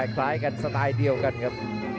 คล้ายกันสไตล์เดียวกันครับ